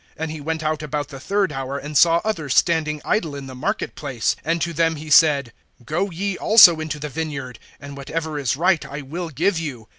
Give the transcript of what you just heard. (3)And he went out about the third hour, and saw others standing idle in the market place. (4)And to them he said: Go ye also into the vineyard, and whatever is right I will give you.